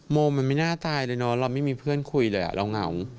โมมันไม่น่าตายเลยเนอะเราไม่มีเพื่อนคุยเลยเราเหงา